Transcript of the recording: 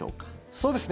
そうですね。